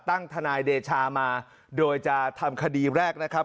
ทนายเดชามาโดยจะทำคดีแรกนะครับ